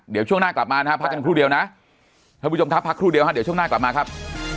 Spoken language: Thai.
เดี๋ยวช่วงหน้ากลับมานะครับพักกันครู่เดียวนะท่านผู้ชมครับพักครู่เดียวฮะเดี๋ยวช่วงหน้ากลับมาครับ